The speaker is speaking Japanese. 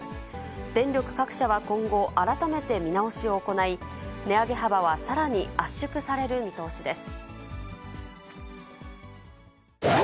電力各社は今後、改めて見直しを行い、値上げ幅はさらに圧縮される見通しです。